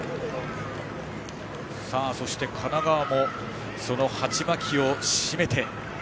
そして神奈川も鉢巻きを締めて。